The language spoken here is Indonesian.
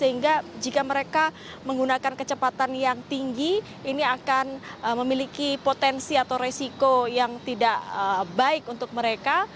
sehingga jika mereka menggunakan kecepatan yang tinggi ini akan memiliki potensi atau resiko yang tidak baik untuk mereka